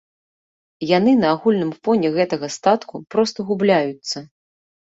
Яны на агульным фоне гэтага статку проста губляюцца.